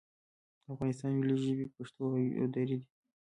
د افغانستان ملي ژبې پښتو او دري دي